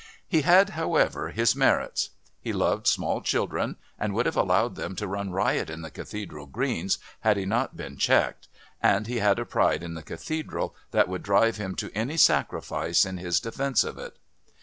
He had, however, his merits. He loved small children and would have allowed them to run riot on the Cathedral greens had he not been checked, and he had a pride in the Cathedral that would drive him to any sacrifice in his defence of it.